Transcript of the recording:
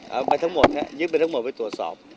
เอาไปทั้งหมดครับยึดไปทั้งหมดไปตรวจสอบ